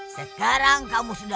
sekarang kamu bisa mencoba